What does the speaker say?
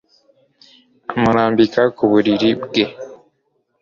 amurambika ku buriri bwe